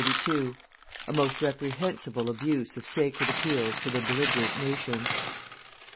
A MOST REPREHENSIBLE ABUSE OF SACRED APPEALS TO THE BELLIGERENT NATIONS.